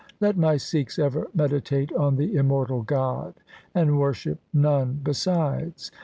Let my Sikhs ever meditate on the Im mortal God and worship none besides.